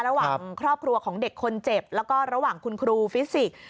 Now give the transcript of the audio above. ระหว่างครอบครัวของเด็กคนเจ็บแล้วก็ระหว่างคุณครูฟิสิกส์